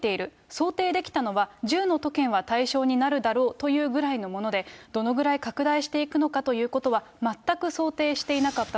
想定できたのは１０の都県は対象になるだろうというぐらいのもので、どのぐらい拡大していくのかということは、全く想定していなかっ